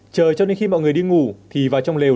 chờ cho nên khi mọi người đi ngủ thì vào trong lều